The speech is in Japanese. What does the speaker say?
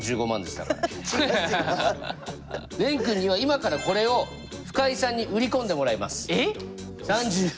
廉君には今からこれを深井さんに売り込んでもらいます。え？